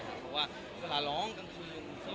เพราะว่าเวลาร้องกลางคืน